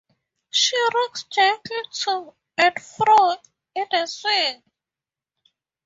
She rocks gently to and fro in the swing.